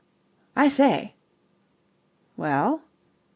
"I say." "Well?"